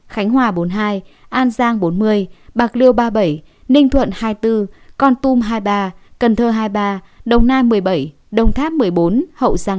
khánh hòa bốn mươi hai an giang bốn mươi bạc liêu ba mươi bảy ninh thuận hai mươi bốn con tum hai mươi ba cần thơ hai mươi ba đồng nai một mươi bảy đồng tháp một mươi bốn hậu giang